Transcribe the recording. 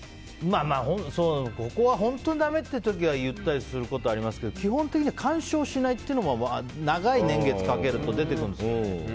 ここは本当にだめっていう時は言ったりすることありますけど基本的には干渉しないっていうのも長い年月をかけると出てくるんですよね。